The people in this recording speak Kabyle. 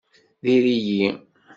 Diri-yi.